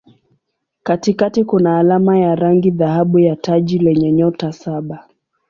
Katikati kuna alama ya rangi dhahabu ya taji lenye nyota saba.